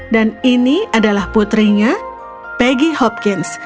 dan ini adalah putrinya peggy hopkins